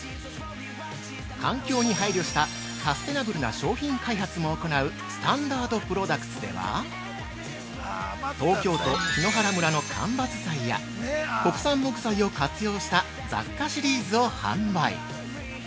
◆環境に配慮した、サステナブルな商品開発も行うスタンダードプロダクツでは東京都檜原村の間伐材や、国産木材を活用した雑貨シリーズを販売！